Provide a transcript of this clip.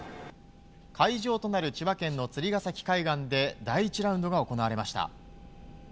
会場となる千葉県の釣ヶ崎海岸で第１ラウンドが行われました。